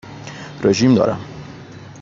رژیم دارم.